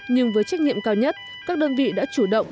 nhưng với trách nhiệm cao nhất các đơn vị đã chủ động